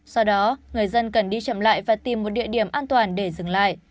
sau đó người dân cần đi chậm lại và tìm một địa điểm an toàn để dừng lại